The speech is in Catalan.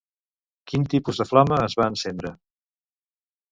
Quin tipus de flama es va encendre?